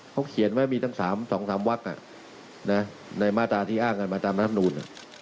เขาเขียนว่ามี๒๓วักในมาตราที่อ้างกันมาตรามาธรรมนุน